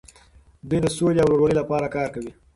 دوی د سولې او ورورولۍ لپاره کار کوي.